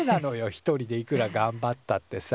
一人でいくらがんばったってさ。